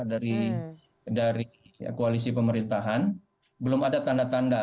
dari koalisi pemerintahan belum ada tanda tanda